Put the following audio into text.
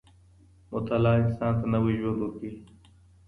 مطالعه انسان ته نوی ژوند ورکوي.